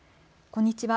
こんにちは。